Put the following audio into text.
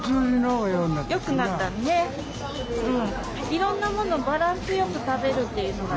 いろんなものバランスよく食べるっていうのが。